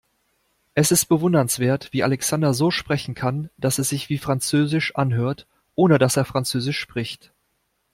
Es ist bewundernswert, wie Alexander so sprechen kann, dass es sich wie französisch anhört, ohne dass er französisch spricht.